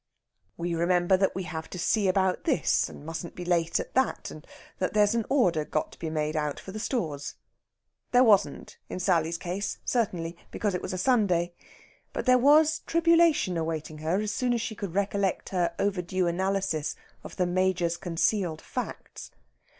We remember that we have to see about this, and we mustn't be late at that, and that there's an order got to be made out for the stores. There wasn't in Sally's case, certainly, because it was Sunday; but there was tribulation awaiting her as soon as she could recollect her overdue analysis of the Major's concealed facts.